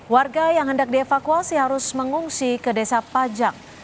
warga yang hendak dievakuasi harus mengungsi ke desa pajang